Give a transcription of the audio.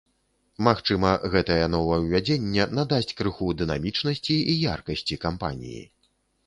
Магчыма, гэтае новаўвядзенне надасць крыху дынамічнасці і яркасці кампаніі.